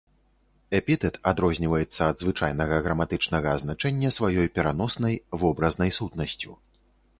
Эпітэт адрозніваецца ад звычайнага граматычнага азначэння сваёй пераноснай, вобразнай сутнасцю.